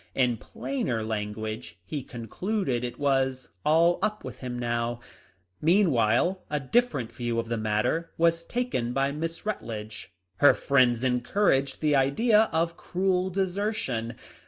In plainer language, he concluded it was " all up with him now." Meanwhile a different view of the mat ter was taken by Miss Rutledge. Her friends encouraged the idea of cruel desertion.